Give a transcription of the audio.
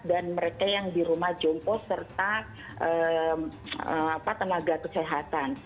dan mereka yang di rumah jompo serta tenaga kesehatan